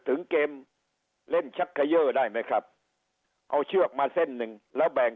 ถึงเกมเล่นชักเขย่อได้ไหมครับเอาเชือกมาเส้นหนึ่งแล้วแบ่ง